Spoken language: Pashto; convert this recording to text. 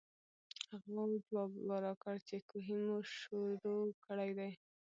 هغو جواب راکړو چې کوهے مو شورو کړے دے ـ